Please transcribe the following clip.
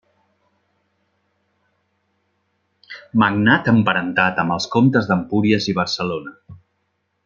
Magnat emparentat amb els comtes d'Empúries i Barcelona.